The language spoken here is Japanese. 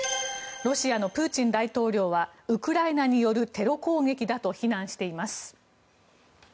ロシアのプーチン大統領はウクライナによるテロ攻撃だと非難しています。